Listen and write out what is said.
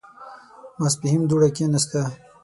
ماسپښين دوړه کېناسته.